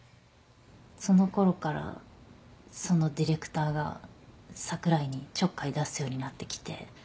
そのころからそのディレクターが櫻井にちょっかい出すようになってきて。